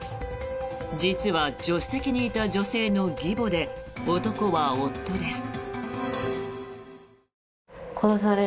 実は助手席にいた女性の義母で男は夫です。